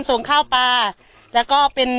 สวัสดีครับทุกคน